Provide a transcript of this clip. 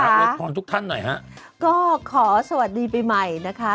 อวยพรทุกท่านหน่อยฮะก็ขอสวัสดีปีใหม่นะคะ